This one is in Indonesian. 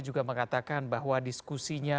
juga mengatakan bahwa diskusinya